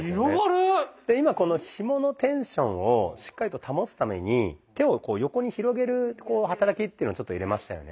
で今このひものテンションをしっかりと保つために手をこう横に広げる働きっていうのをちょっと入れましたよね。